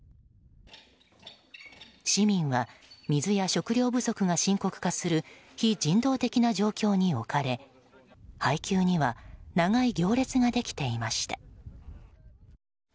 市民は水や食料不足が深刻化する非人道的な状況に置かれ配給には長い行列ができていました。